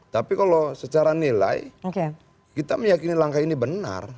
tapi kalau secara nilai kita meyakini langkah ini benar